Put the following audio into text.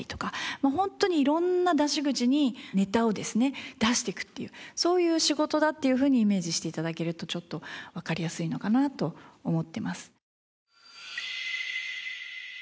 もう本当に色んな出し口にネタをですね出していくっていうそういう仕事だっていうふうにイメージして頂けるとちょっとわかりやすいのかなと思ってます。